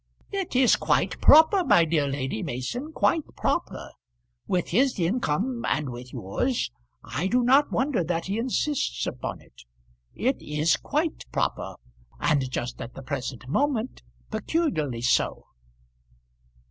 "It is quite proper, my dear Lady Mason, quite proper. With his income and with yours I do not wonder that he insists upon it. It is quite proper, and just at the present moment peculiarly so."